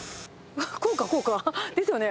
こうか、こうか。ですよね？